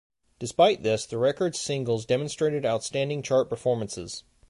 Despite this, the record's singles demonstrated outstanding chart performances.